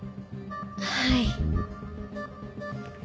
はい。